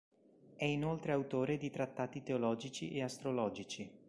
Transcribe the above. È inoltre autore di trattati teologici e astrologici.